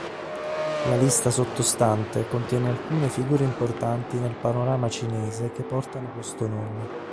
La lista sottostante contiene alcune figure importanti nel panorama cinese che portano questo nome.